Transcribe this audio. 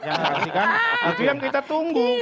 yang pasti kan itu yang kita tunggu